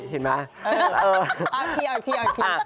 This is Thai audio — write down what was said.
เห็นไหม